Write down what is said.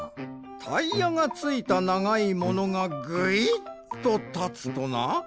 タイヤがついたながいものがぐいっとたつとな？